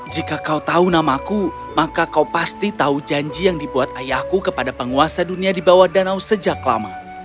jika kau tahu namaku maka kau pasti tahu janji yang dibuat ayahku kepada penguasa dunia di bawah danau sejak lama